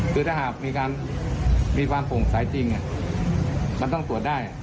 คือถ้าหากมีการมีความโปร่งใสจริงมันต้องตรวจได้